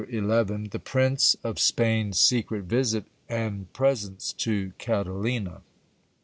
XL — The Prince of Spain's secret visit, and presents to Catalina.